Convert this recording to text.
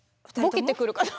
ボケてくるかと。